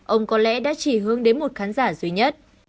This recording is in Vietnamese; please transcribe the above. ông có lẽ đã chỉ hướng đến một khán giả duy nhất